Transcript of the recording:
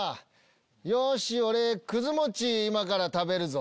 よし俺くず餅今から食べるぞ。